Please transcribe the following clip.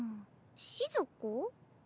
しず子？